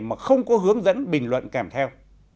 mà không có hướng dẫn bình luận kèm theo